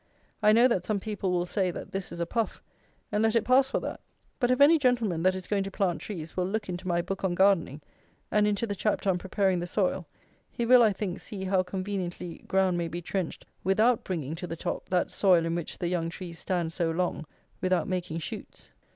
I know that some people will say that this is a puff; and let it pass for that; but if any gentleman that is going to plant trees will look into my Book on Gardening, and into the Chapter on Preparing the Soil, he will, I think, see how conveniently ground may be trenched without bringing to the top that soil in which the young trees stand so long without making shoots.